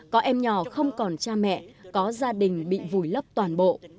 có em nhỏ không còn cha mẹ có gia đình bị vùi lấp toàn bộ